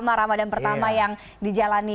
saya sendiri kampus unikal